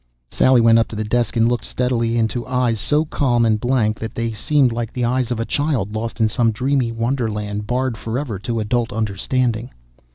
_ Sally went up to the desk and looked steadily into eyes so calm and blank that they seemed like the eyes of a child lost in some dreamy wonderland barred forever to adult understanding.